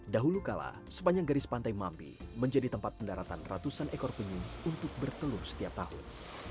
dahulu kala sepanjang garis pantai mampi menjadi tempat pendaratan ratusan ekor penyu untuk bertelur setiap tahun